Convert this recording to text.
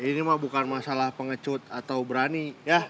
ini mah bukan masalah pengecut atau berani ya